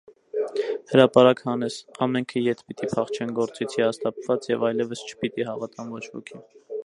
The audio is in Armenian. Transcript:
հրապարակ հանես - ամենքը ետ պիտի փախչեն գործից հիասթափված և այլևս չպիտի հավատան ոչ ոքի: